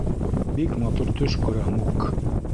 Бик матур төш күрә Мук.